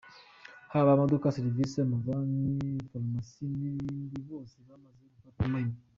Haba amaduka, serivisi, amabanki, Farumasi n’ibindi, bose bamaze gufatamo imyanya.